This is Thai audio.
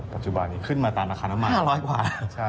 ปัจจุบันนี้ขึ้นมาตามราคาน้ำมัน๕๐๐กว่า